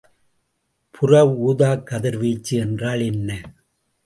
புற ஊதாக்கதிர்வீச்சு என்றால் என்ன?